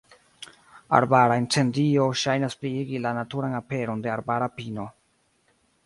Arbara incendio ŝajnas pliigi la naturan aperon de arbara pino.